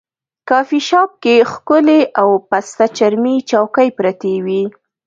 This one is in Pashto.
کافي شاپ کې ښکلې او پسته چرمي چوکۍ پرتې وې.